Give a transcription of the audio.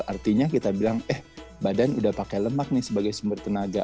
artinya kita bilang eh badan udah pakai lemak nih sebagai sumber tenaga